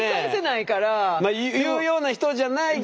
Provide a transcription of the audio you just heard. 言うような人じゃないけど。